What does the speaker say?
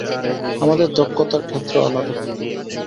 আমাদের দক্ষতার ক্ষেত্র আলাদা।